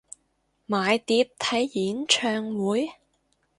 買碟睇演唱會？